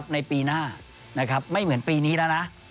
ในปีหน้าไม่เหมือนปีนี้แล้วนะ